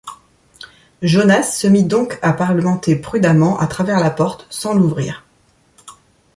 Jonas se mit donc à parlementer prudemment à travers la porte, sans l’ouvrir.